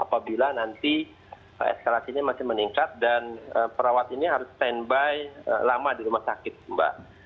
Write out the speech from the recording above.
apabila nanti eskalasinya masih meningkat dan perawat ini harus standby lama di rumah sakit mbak